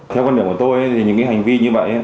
theo quan điểm của tôi thì những hành vi như vậy